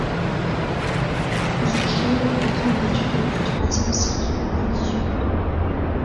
Il y crée le programme d'études du troisième cycle en religion.